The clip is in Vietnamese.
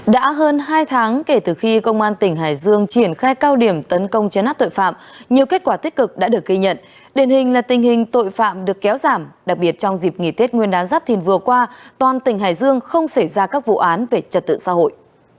đã hơn hai tháng kể từ khi công an tỉnh hải dương triển khai cao điểm tấn công chấn áp tội phạm nhiều kết quả tích cực đã được ghi nhận điển hình là tình hình tội phạm được kéo giảm đặc biệt trong dịp nghỉ tết nguyên đán giáp thìn vừa qua toàn tỉnh hải dương không xảy ra các vụ án về trật tự xã hội